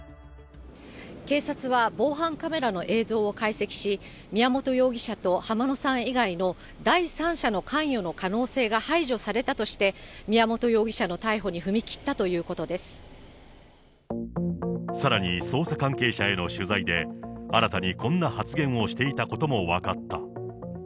警察は防犯カメラの映像を解析し、宮本容疑者と浜野さん以外の第三者の関与の可能性が排除されたとして、宮本容疑者の逮捕にさらに捜査関係者への取材で、新たにこんな発言をしていたことも分かった。